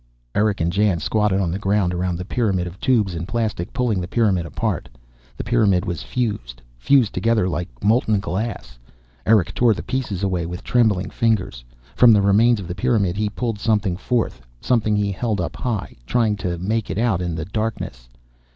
Erick and Jan squatted on the ground around the pyramid of tubes and plastic, pulling the pyramid apart. The pyramid was fused, fused together like molten glass. Erick tore the pieces away with trembling fingers. From the remains of the pyramid he pulled something forth, something he held up high, trying to make it out in the darkness.